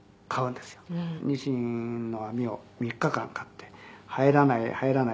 「ニシンの網を３日間買って入らない入らない」